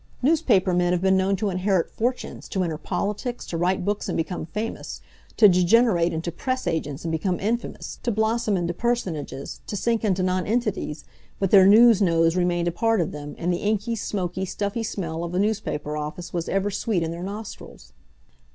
Newspaper men have been known to inherit fortunes, to enter politics, to write books and become famous, to degenerate into press agents and become infamous, to blossom into personages, to sink into nonentities, but their news nose remained a part of them, and the inky, smoky, stuffy smell of a newspaper office was ever sweet in their nostrils."